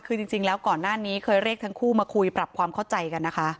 คือจริงแล้วก่อนหน้านี้เคยเรียกทั้งคู่มาคุยปรับความเข้าใจกันนะคะ